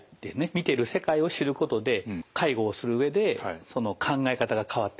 見てる世界を知ることで介護をする上でその考え方が変わってくると。